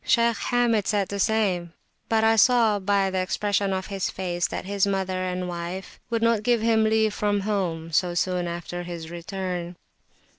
Shaykh Hamid said the same, but I saw, by the expression of his face, that his mother and wife would not give him leave from home so soon after his return.